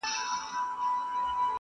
آسمانه ما ستا د ځوانۍ په تمه.!